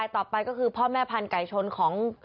ต่อไปก็คือพ่อแม่พันธุไก่ชนของ